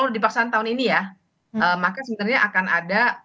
kalau dipaksaan tahun ini ya maka sebenarnya akan ada